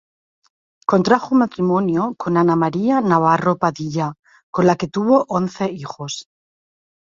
Contrajo matrimonio con Ana María Navarro Padilla, con la que tuvo once hijos.